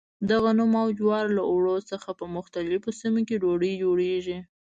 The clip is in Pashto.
د غنمو او جوارو له اوړو څخه په مختلفو سیمو کې ډوډۍ جوړېږي.